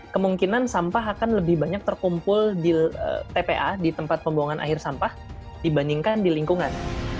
kemungkinan sampah akan lebih banyak terkumpul di tpa di tempat pembuangan akhir sampah dibandingkan di lingkungan